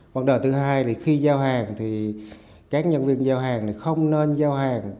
vấn đề thứ hai thì khi giao hàng thì các nhân viên giao hàng không nên giao hàng